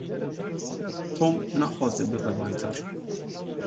Tom naxwaze bibe baytar.